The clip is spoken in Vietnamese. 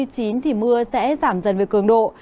thì mưa sẽ giảm dần về cường độ